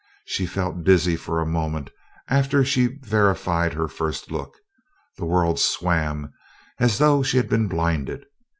She felt dizzy for a moment after she verified her first look the world swam, as though she had been blinded.